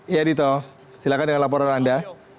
ya dito silahkan dengan laporan anda